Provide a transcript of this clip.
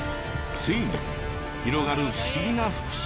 ついに広がる不思議な福島県に。